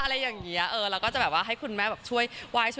อะไรอย่างงี้เออเราก็จะแบบว่าให้คุณแม่ช่วยว่าให้ช่วย